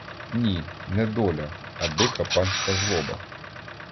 Ні, не доля, а дика панська злоба.